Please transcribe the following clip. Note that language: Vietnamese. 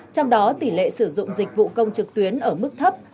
trong đó tỷ lệ sử dụng dịch vụ công trực tuyến ở mức thấp